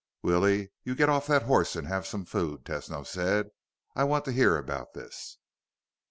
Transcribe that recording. "Willie, you get off that horse and have some food," Tesno said. "I want to hear about this."